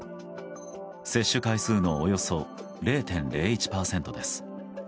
接種回数のおよそ０．０１％です。